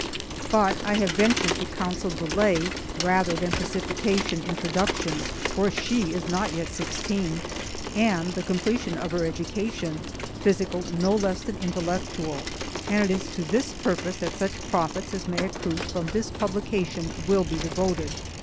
But I have ventured to counsel delay rather than precipitation in production for she is not yet sixteen and the completion of her education, physical no less than intellectual; and it is to this purpose that such profits as may accrue from this publication will be devoted.